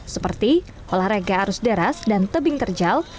seperti olahraga arus deras dan tebing terjal